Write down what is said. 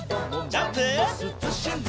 ジャンプ！